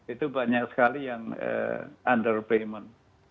itu banyak sekali yang under payment